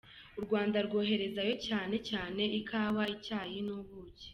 U Rwanda rwoherezayo cyane cyane ikawa, icyayi n’ubuki.